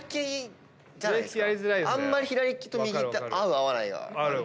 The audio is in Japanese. あんまり左利きと右って合う合わないがあるから。